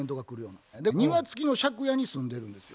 庭つきの借家に住んでるんですよ。